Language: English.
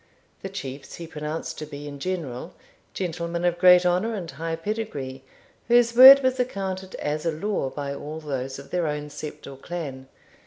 The chiefs he pronounced to be, in general, gentlemen of great honour and high pedigree, whose word was accounted as a law by all those of their own sept, or clan.